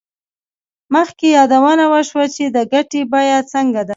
مخکې یادونه وشوه چې د ګټې بیه څنګه ده